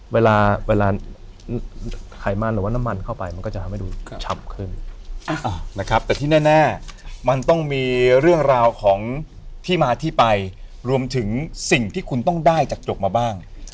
เวลาเวลาไขมันหรือว่าน้ำมันเข้าไปมันก็จะทำให้ดูฉ่ำขึ้นนะครับแต่ที่แน่มันต้องมีเรื่องราวของที่มาที่ไปรวมถึงสิ่งที่คุณต้องได้จากจกมาบ้าง